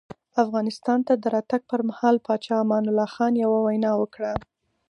افغانستان ته د راتګ پر مهال پاچا امان الله خان یوه وینا وکړه.